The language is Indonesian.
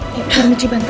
biar benci bantu